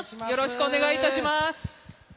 よろしくお願いします。